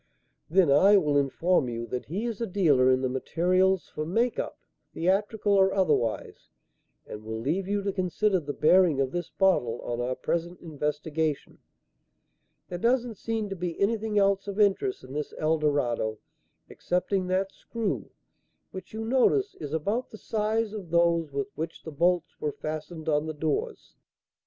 "Then I will inform you that he is a dealer in the materials for 'make up,' theatrical or otherwise, and will leave you to consider the bearing of this bottle on our present investigation. There doesn't seem to be anything else of interest in this El Dorado excepting that screw, which you notice is about the size of those with which the bolts were fastened on the doors.